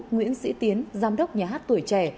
nguyễn sĩ tiến giám đốc nhà hát tuổi trẻ